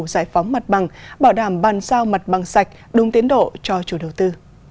giải phóng mặt bằng bảo đảm bàn giao mặt bằng sạch đúng tiến độ cho chủ đầu tư